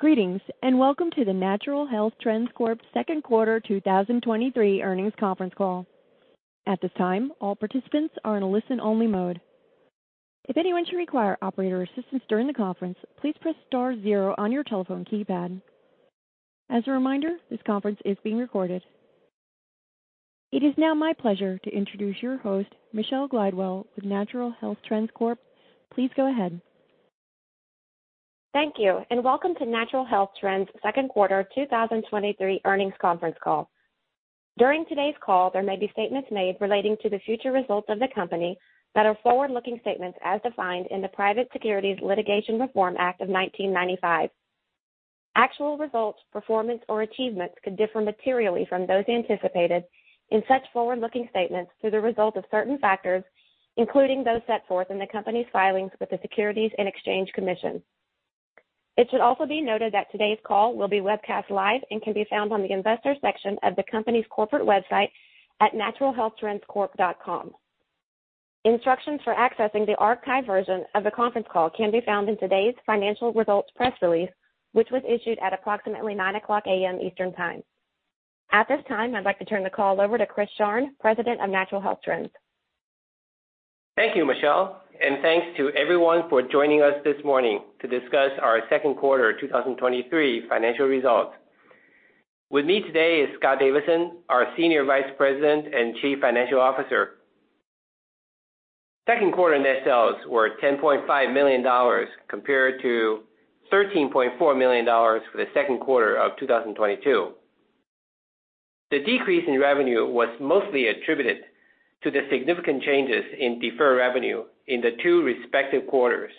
Greetings. Welcome to the Natural Health Trends Corp Second Quarter 2023 Earnings Conference Call. At this time, all participants are in a listen-only mode. If anyone should require operator assistance during the conference, please press star zero on your telephone keypad. As a reminder, this conference is being recorded. It is now my pleasure to introduce your host, Michelle Glidewell, with Natural Health Trends Corp. Please go ahead. Thank you, and welcome to Natural Health Trends Second Quarter 2023 Earnings Conference Call. During today's call, there may be statements made relating to the future results of the company that are forward-looking statements as defined in the Private Securities Litigation Reform Act of 1995. Actual results, performance, or achievements could differ materially from those anticipated in such forward-looking statements through the result of certain factors, including those set forth in the company's filings with the Securities and Exchange Commission. It should also be noted that today's call will be webcast live and can be found on the investors section of the company's corporate website at naturalhealthtrendscorp.com. Instructions for accessing the archived version of the conference call can be found in today's financial results press release, which was issued at approximately 9:00 A.M. Eastern Time. At this time, I'd like to turn the call over to Chris Sharng, President of Natural Health Trends. Thank you, Michelle, and thanks to everyone for joining us this morning to discuss our second quarter 2023 financial results. With me today is Scott Davison, our Senior Vice President and Chief Financial Officer. Second quarter net sales were $10.5 million compared to $13.4 million for the second quarter of 2022. The decrease in revenue was mostly attributed to the significant changes in deferred revenue in the two respective quarters.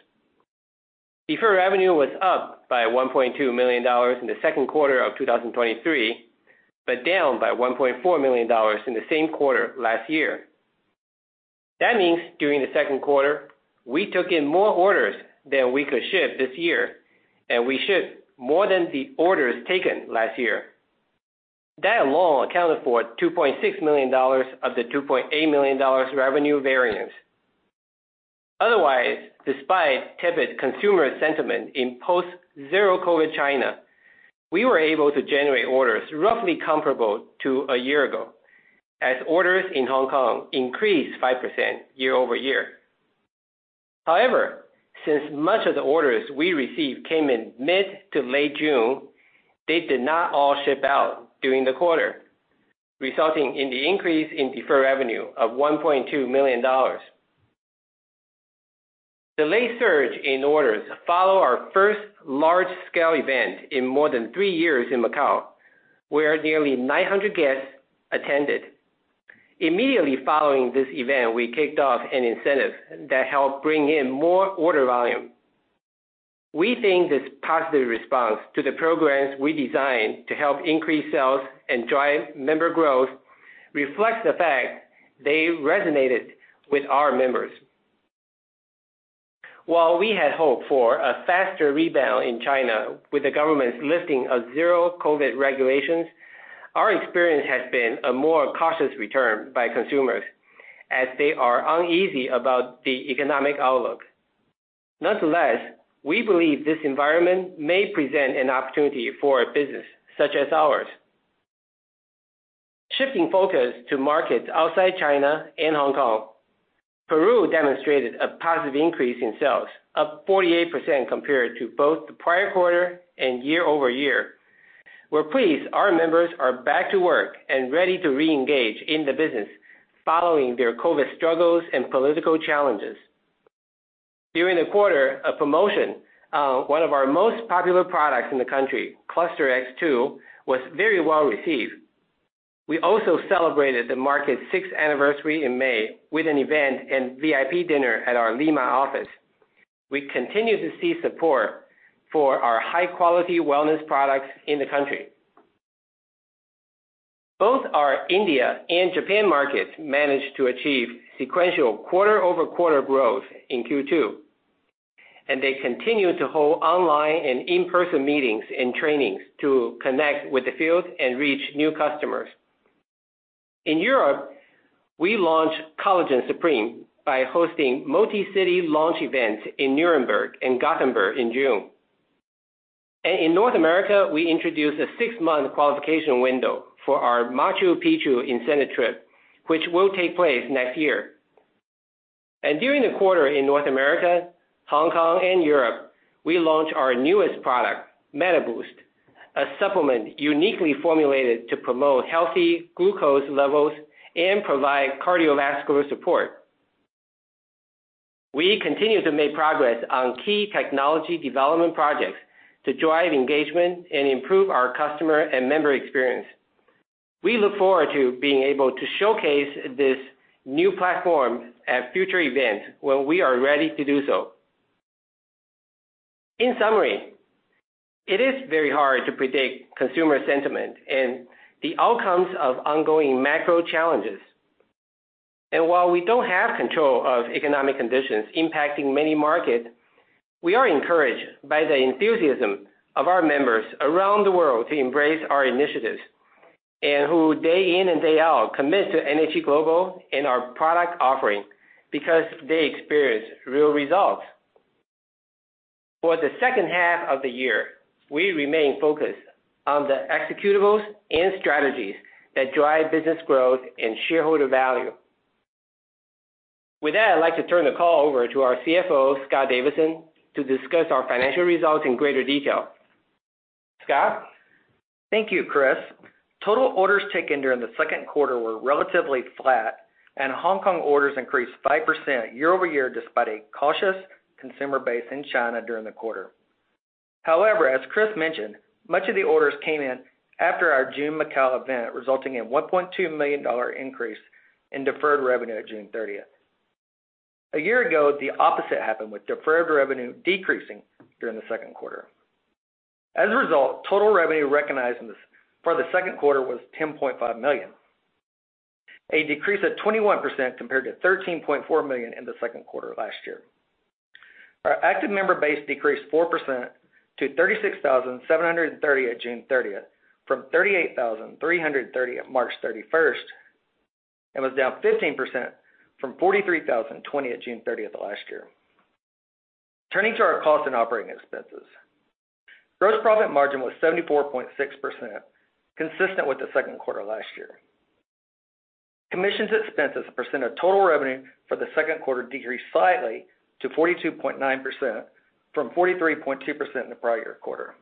Deferred revenue was up by $1.2 million in the second quarter of 2023, but down by $1.4 million in the same quarter last year. That means during the second quarter, we took in more orders than we could ship this year, and we shipped more than the orders taken last year. That alone accounted for $2.6 million of the $2.8 million revenue variance. Otherwise, despite tepid consumer sentiment in post-zero COVID China, we were able to generate orders roughly comparable to a year ago, as orders in Hong Kong increased 5% year-over-year. Since much of the orders we received came in mid- to late June, they did not all ship out during the quarter, resulting in the increase in deferred revenue of $1.2 million. The late surge in orders follow our first large-scale event in more than three years in Macau, where nearly 900 guests attended. Immediately following this event, we kicked off an incentive that helped bring in more order volume. We think this positive response to the programs we designed to help increase sales and drive member growth reflects the fact they resonated with our members. While we had hoped for a faster rebound in China with the government's lifting of zero COVID regulations, our experience has been a more cautious return by consumers as they are uneasy about the economic outlook. Nonetheless, we believe this environment may present an opportunity for a business such as ours. Shifting focus to markets outside China and Hong Kong, Peru demonstrated a positive increase in sales, up 48% compared to both the prior quarter and year-over-year. We're pleased our members are back to work and ready to reengage in the business following their COVID struggles and political challenges. During the quarter, a promotion of one of our most popular products in the country, Cluster X2, was very well received. We also celebrated the market's sixth anniversary in May with an event and VIP dinner at our Lima office. We continue to see support for our high-quality wellness products in the country. Both our India and Japan markets managed to achieve sequential quarter-over-quarter growth in Q2, and they continued to hold online and in-person meetings and trainings to connect with the field and reach new customers. In Europe, we launched Collagen Supreme by hosting multi-city launch events in Nuremberg and Gothenburg in June. In North America, we introduced a six-month qualification window for our Machu Picchu incentive trip, which will take place next year. During the quarter, in North America, Hong Kong, and Europe, we launched our newest product, MetaBoost, a supplement uniquely formulated to promote healthy glucose levels and provide cardiovascular support. We continue to make progress on key technology development projects to drive engagement and improve our customer and member experience. We look forward to being able to showcase this new platform at future events when we are ready to do so. In summary, it is very hard to predict consumer sentiment and the outcomes of ongoing macro challenges. While we don't have control of economic conditions impacting many markets, we are encouraged by the enthusiasm of our members around the world to embrace our initiatives, and who day in and day out commit to NHT Global and our product offering because they experience real results. For the second half of the year, we remain focused on the executables and strategies that drive business growth and shareholder value. With that, I'd like to turn the call over to our CFO, Scott Davison, to discuss our financial results in greater detail. Scott? Thank you, Chris. Total orders taken during the second quarter were relatively flat, and Hong Kong orders increased 5% year-over-year, despite a cautious consumer base in China during the quarter. However, as Chris mentioned, much of the orders came in after our June Macau event, resulting in $1.2 million dollar increase in deferred revenue at June 30. A year ago, the opposite happened, with deferred revenue decreasing during the second quarter. As a result, total revenue recognized for the second quarter was $10.5 million, a decrease of 21% compared to $13.4 million in the second quarter last year. Our active member base decreased 4% to 36,730 at June 30, from 38,330 at March 31, and was down 15% from 43,020 at June 30 last year. Turning to our costs and operating expenses. Gross profit margin was 74.6%, consistent with the second quarter last year. Commissions expenses as a percent of total revenue for the second quarter decreased slightly to 42.9% from 43.2% in the prior year quarter.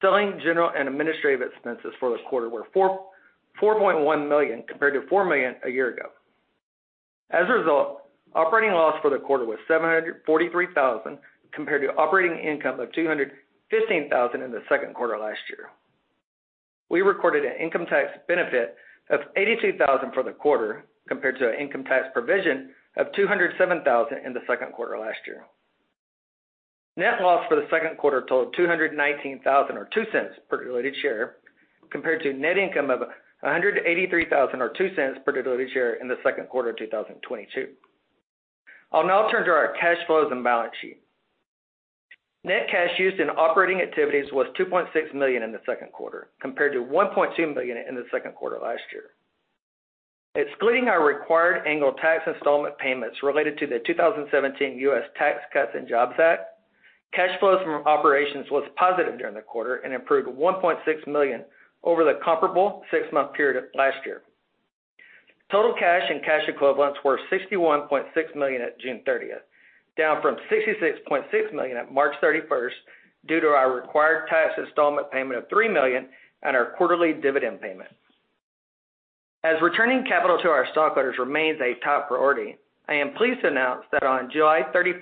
Selling, general and administrative expenses for the quarter were $4.1 million, compared to $4.0 million a year ago. As a result, operating loss for the quarter was $743,000, compared to operating income of $215,000 in the second quarter last year. We recorded an income tax benefit of $82,000 for the quarter, compared to an income tax provision of $207,000 in the second quarter last year. Net loss for the second quarter totaled $219,000 or $0.02 per diluted share, compared to net income of $183,000 or $0.02 per diluted share in the second quarter of 2022. I'll now turn to our cash flows and balance sheet. Net cash used in operating activities was $2.6 million in the second quarter, compared to $1.2 million in the second quarter last year. Excluding our required annual tax installment payments related to the 2017 U.S. Tax Cuts and Jobs Act, cash flows from operations was positive during the quarter and improved $1.6 million over the comparable six-month period last year. Total cash and cash equivalents were $61.6 million at June 30, down from $66.6 million at March 31, due to our required tax installment payment of $3 million and our quarterly dividend payment. As returning capital to our stockholders remains a top priority, I am pleased to announce that on July 31,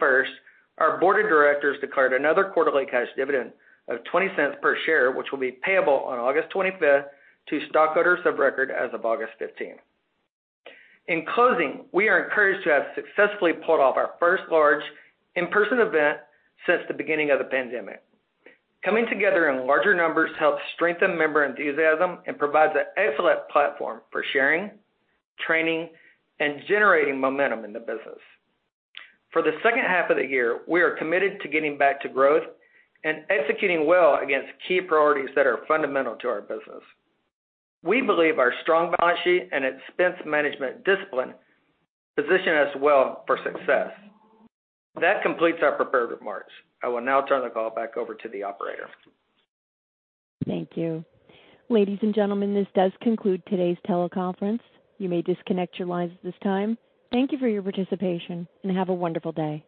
our board of directors declared another quarterly cash dividend of $0.20 per share, which will be payable on August 25 to stockholders of record as of August 15. In closing, we are encouraged to have successfully pulled off our first large in-person event since the beginning of the pandemic. Coming together in larger numbers helps strengthen member enthusiasm and provides an excellent platform for sharing, training, and generating momentum in the business. For the second half of the year, we are committed to getting back to growth and executing well against key priorities that are fundamental to our business. We believe our strong balance sheet and expense management discipline position us well for success. That completes our prepared remarks. I will now turn the call back over to the operator. Thank you. Ladies and gentlemen, this does conclude today's teleconference. You may disconnect your lines at this time. Thank you for your participation, and have a wonderful day.